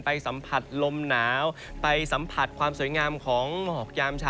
สัมผัสลมหนาวไปสัมผัสความสวยงามของหมอกยามเช้า